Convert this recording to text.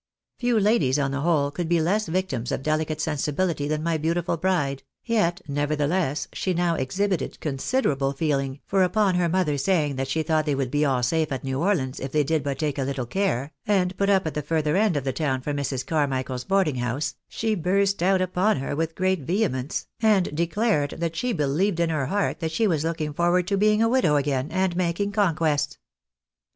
Few ladies, on the whole, could be less victims of delicate sensi biUty than my beautiful bride, yet nevertheless, she now exhibited considerable feeUng, for upon her mother saying that she thought A STIMULANT TO CAREFULNESS. 333 they would be all safe at New Orleans if they did but take a little care, and put up at the further end of the town from Mrs. Car michaiers boarding house, she burst out upon her with great vehemence, and declared that she believed in her heart that she waa looking forward to being a widow again, and making conquests.